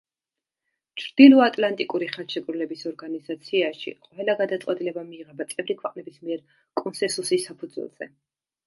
ჩრდილოატლანტიკური ხელშეკრულების ორგანიზაციაში ყველა გადაწყვეტილება მიიღება წევრი ქვეყნების მიერ კონსესუსის საფუძველზე.